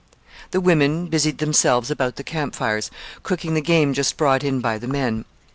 The women busied themselves about the camp fires cooking the game just brought in by the men.